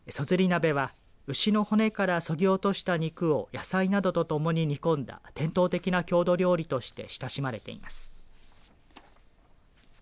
鍋は牛の骨からそぎ落とした肉を野菜などとともに煮込んだ伝統的な郷土料理として親しまれています。